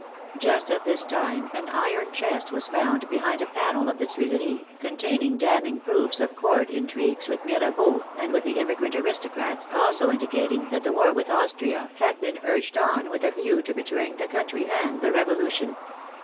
Just at this time an iron chest was found behind a panel of the Tuileries, containing damning proofs of Court intrigues with Mira beau, and with the emigrant " aristocrats, also indicat ing that the war with Austria had been urged on with a view to betraying the country and the Revolution.